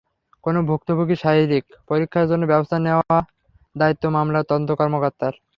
কোনো ভুক্তভোগীর শারীরিক পরীক্ষার জন্য ব্যবস্থা নেওয়ার দায়িত্ব মামলার তদন্ত কর্মকর্তার।